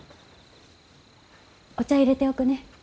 お茶いれておくね。